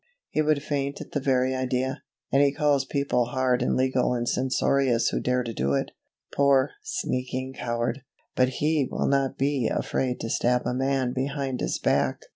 he would faint at the very idea; and he calls people hard and legal and censorious who dare to do it poor, sneaking coward! but he will not be afraid to stab a man behind his back.